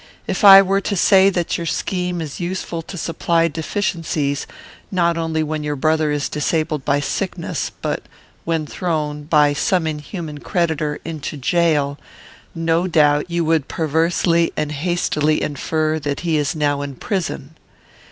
If I were to say that your scheme is useful to supply deficiencies, not only when your brother is disabled by sickness, but when thrown, by some inhuman creditor, into jail, no doubt you would perversely and hastily infer that he is now in prison."